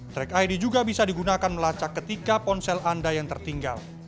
track id juga bisa digunakan melacak ketika ponsel anda yang tertinggal